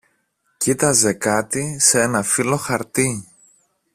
Κοίταζε κάτι σε ένα φύλλο χαρτί